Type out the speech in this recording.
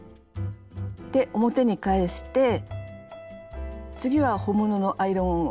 で表に返して次は本物のアイロンを当てて下さい。